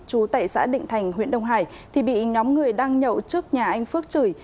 chú tại xã định thành huyện đông hải thì bị nhóm người đang nhậu trước nhà anh phước chửi